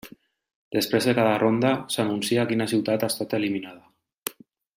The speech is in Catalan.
Després de cada ronda, s'anuncia quina ciutat ha estat eliminada.